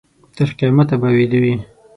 تر قیامته به ویده وي.